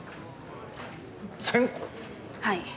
はい。